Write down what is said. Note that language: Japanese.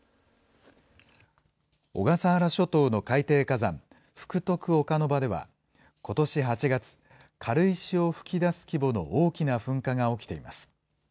小笠原諸島の海底火山、福徳岡ノ場では、ことし８月、軽石を噴き出す規模の大きな噴火が起きています。